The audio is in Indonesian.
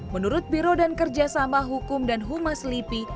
menurut biro dan kerjasama hukum dan humas lipi